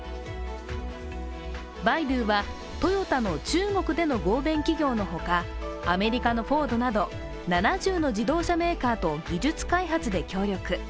バイドゥはトヨタの中国での合弁企業のほか、アメリカのフォードなど７０の自動車メーカーと技術開発で協力。